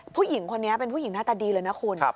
ผู้หญิงคนนี้เป็นผู้หญิงหน้าตาดีเลยนะคุณ